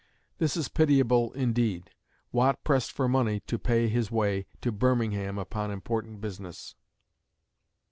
This is pitiable indeed Watt pressed for money to pay his way to Birmingham upon important business.